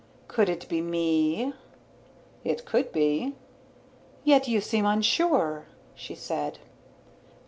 "Could it be me?" "It could be." "Yet you seem unsure," she said.